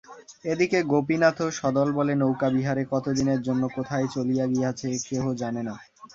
এ দিকে গোপীনাথও সদলবলে নৌকাবিহারে কতদিনের জন্য কোথায় চলিয়া গিয়াছে কেহ জানে না।